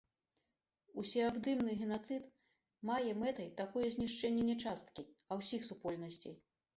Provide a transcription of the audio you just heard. Усеабдымны генацыд мае мэтай такое знішчэнне не часткі, а ўсіх супольнасцей.